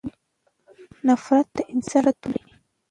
نفرت د انسان زړه توروي.